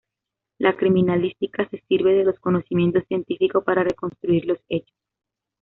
La criminalística se sirve de los conocimientos científicos para reconstruir los hechos.